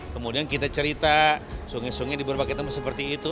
kemudian kita cerita sungai sungai di berbagai tempat seperti itu